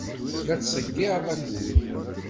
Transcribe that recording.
La ttḍeyyiɛen akud.